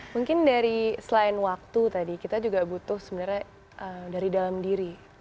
mungkin dari selain waktu tadi kita juga butuh sebenarnya dari dalam diri